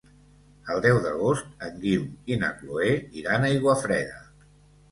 El deu d'agost en Guim i na Cloè iran a Aiguafreda.